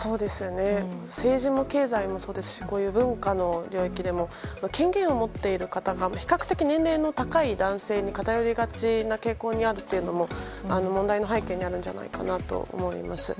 政治も経済もそうですし文化の領域でも権限を持っている方が比較的、年齢の高い男性に偏りがちな傾向にあるのも問題の背景にあるんじゃないかなと思います。